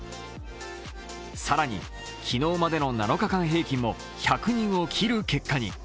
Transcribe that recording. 更に、昨日までの７日間平均も１００人を切る結果に。